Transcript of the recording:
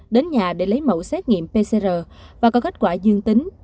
đến nhà để lấy mẫu xét nghiệm pcr và có kết quả dương tính